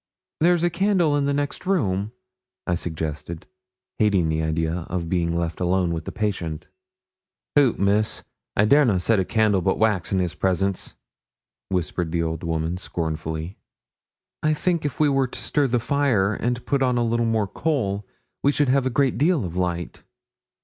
'There's a candle in the next room,' I suggested, hating the idea of being left alone with the patient. 'Hoot! Miss. I dare na' set a candle but wax in his presence,' whispered the old woman, scornfully. 'I think if we were to stir the fire, and put on a little more coal, we should have a great deal of light.'